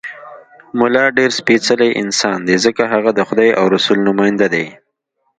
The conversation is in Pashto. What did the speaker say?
ملا ډېر سپېڅلی انسان دی، ځکه هغه د خدای او رسول نماینده دی.